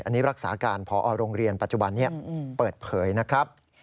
อันนี้รักษาการพอโรงเรียนปัจจุบันนี้เปิดเผยนะครับ